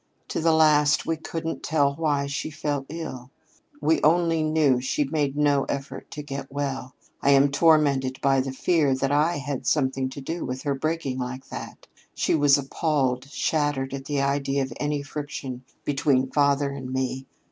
To the last we couldn't tell why she fell ill. We only knew she made no effort to get well. I am tormented by the fear that I had something to do with her breaking like that. She was appalled shattered at the idea of any friction between father and me.